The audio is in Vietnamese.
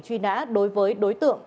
truy nã đối với đối tượng